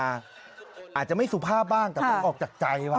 อาจจะไม่สุภาพบ้างแต่ต้องออกจากใจว่